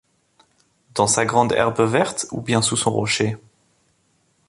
Dans sa grande herbe verte, ou bien sous son rocher ?